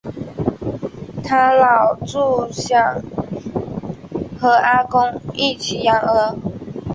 她老著想和阿公一起养鹅